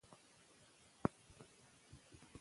هغې کرکټرونه تلپاتې کړل.